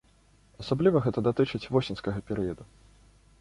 Асабліва гэта датычыць восеньскага перыяду.